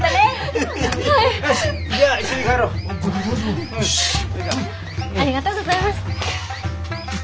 ありがとうございます。